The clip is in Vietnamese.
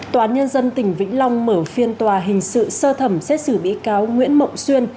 tòa án nhân dân tỉnh vĩnh long mở phiên tòa hình sự sơ thẩm xét xử bị cáo nguyễn mộng xuyên